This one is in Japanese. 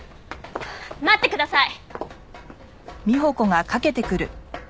待ってください！